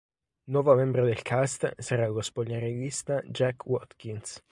Nuovo membro del cast sarà lo spogliarellista Jack Watkins.